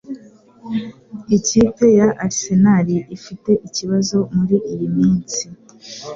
ikipe ya Arsenal ifite ikibazo muri iyi minsi